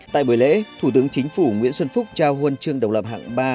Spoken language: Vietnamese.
tại buổi lễ thủ tướng chính phủ nguyễn xuân phúc trao huân chương độc lập hạng ba